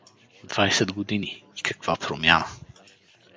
Двайсет години, и каква промяна!